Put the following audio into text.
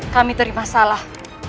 kami terima salah